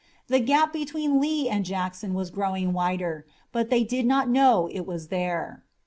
The gap between Lee and Jackson was growing wider, but they did not know it was there.